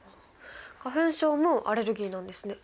花粉症もアレルギーなんですね。